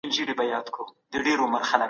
د خپلو وسایلو څخه په سمه توګه ګټه واخلئ.